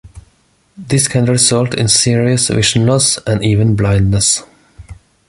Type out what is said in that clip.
This can result in serious vision loss and even blindness.